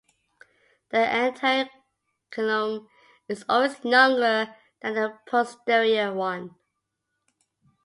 The anterior cilium is always younger than the posterior one.